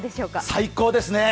最高ですね！